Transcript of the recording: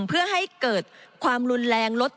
เพื่อให้เกิดความรุนแรงลด